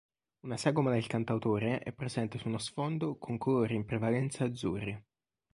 Una sagoma del cantautore è presente su uno sfondo con colori in prevalenza azzurri.